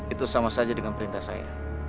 itu sama saja dengan perintah saya